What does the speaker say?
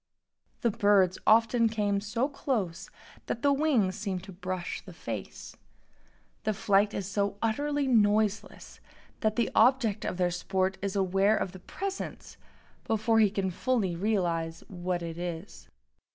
The birds often came so close that the wings seemed to brush the face. The flight is so utterly noiseless that the object of their sport is aware of the presence before he can fully realize what it is.